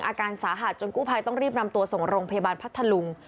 อาการสาหัสจนกู้ภัยต้องรีบนำตัวส่งโรงพยาบาลพัทธลุง